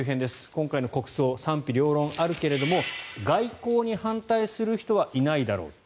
今回の国葬、賛否両論あるけれど外交に反対する人はいないだろうと。